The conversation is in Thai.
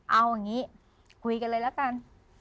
เอาอย่างนี้คุยกันเลยละกัน